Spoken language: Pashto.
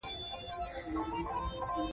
قدرت د کایناتو د پراخوالي راز لري.